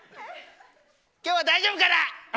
今日は大丈夫かな？